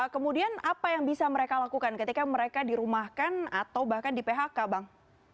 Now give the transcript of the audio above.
kemudian apa yang bisa mereka lakukan ketika mereka dirumahkan atau bahkan di phk bang